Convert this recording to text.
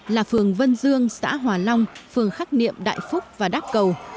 là phường vân dương xã hòa long phường khắc niệm đại phúc và đáp cầu